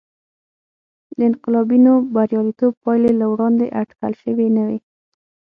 د انقلابینو بریالیتوب پایلې له وړاندې اټکل شوې نه وې.